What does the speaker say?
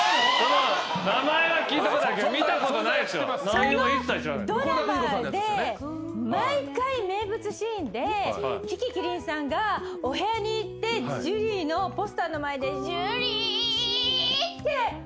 そのドラマで毎回名物シーンで樹木希林さんがお部屋に行ってジュリーのポスターの前で。